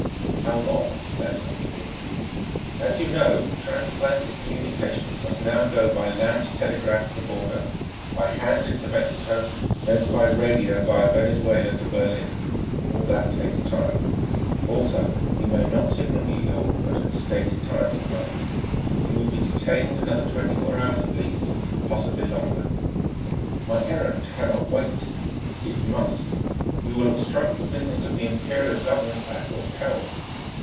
"How long?" Lanyard demurred. "As you know, transatlantic communications must now go by land telegraph to the Border, by hand into Mexico, thence by radio via Venezuela to Berlin. All that takes time. Also, we may not signal New York but at stated times of night. You will be detained another twenty four hours at least, possibly longer." "My errand cannot wait." "It must." "You will obstruct the business of the Imperial Government at your peril."